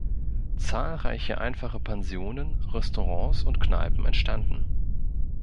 Zahlreiche einfache Pensionen, Restaurants und Kneipen entstanden.